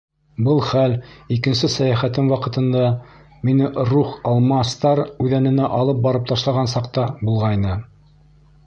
Был хәл икенсе сәйәхәтем ваҡытында, мине Рухх алмастар үҙәненә алып барып ташлаған саҡта, булғайны.